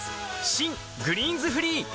新「グリーンズフリー」